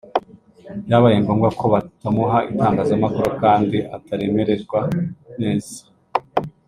byabaye ngombwa ko batamuha itangazamakuru kandi ataramererwa neza